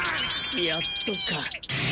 やっとか。